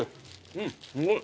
うんすごい。